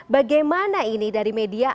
bagaimana ini dari media